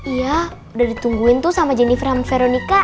iya udah ditungguin tuh sama jennifer sama veronica